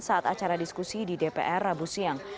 saat acara diskusi di dpr rabu siang